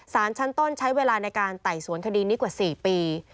สารชั้นต้นใช้เวลาในการไต่สวนคดีนี้กว่า๔ปี